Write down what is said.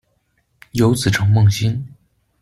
有子程梦星。